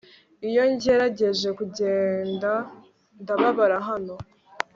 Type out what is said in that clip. Iyo ngerageje kugenda ndababara hano